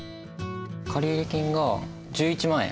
借入金が１１万円。